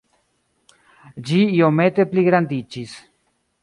Ĝi iomete pligrandiĝis.